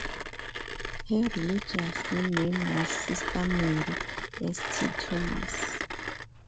Her religious name was Sister Mary St Thomas.